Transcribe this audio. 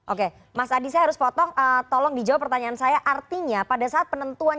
oke mas adi saya harus potong tolong dijawab pertanyaan saya artinya pada saat penentuan